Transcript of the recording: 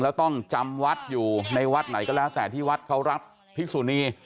แล้วต้องจำวัดอยู่ในวัดไหนก็แล้วแต่ที่วัดเขารับพิสุนี